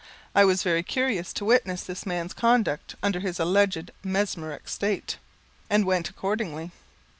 I was very curious to witness this man's conduct under his alleged mesmeric state, and went accordingly.